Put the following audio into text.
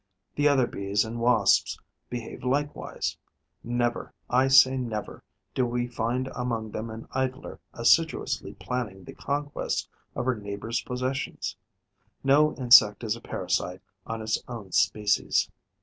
The other Bees and Wasps behave likewise: never, I say never, do we find among them an idler assiduously planning the conquest of her neighbour's possessions. No insect is a parasite on its own species.